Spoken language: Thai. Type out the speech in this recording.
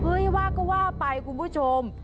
เอ่ยว่าก็ว่าไปละคุณผู้ชม